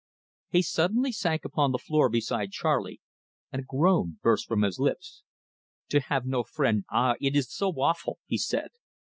He suddenly sank upon the floor beside Charley, and a groan burst from his lips. "To have no friend ah, it is so awful!" he said.